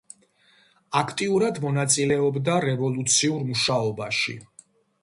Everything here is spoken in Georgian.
აქტიურად მონაწილეობდა რევოლუციურ მუშაობაში.